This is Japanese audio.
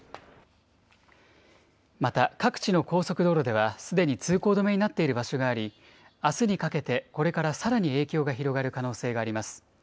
また、各地の高速道路では、すでに通行止めになっている場所があり、あすにかけてこれからさらに影響が広がる可能性があります。